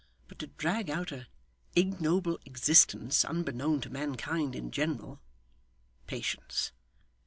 But to drag out a ignoble existence unbeknown to mankind in general patience!